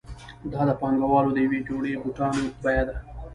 دا د پانګوال د یوې جوړې بوټانو بیه ده